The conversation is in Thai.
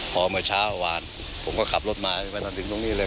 พอเมื่อเช้าหวานผมก็ขับรถมามาถึงตรงนี้เลย